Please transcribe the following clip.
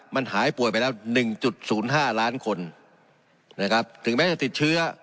มันหายป่วยไปแล้วหนึ่งจุดศูนย์ห้าล้านคนนะครับถึงแม้จะติดเชื้อ